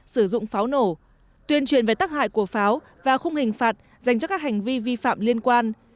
sử dụng pháo nổ tuyên truyền về tác hại của pháo và khung hình phạt dành cho các hành vi vi phạm liên quan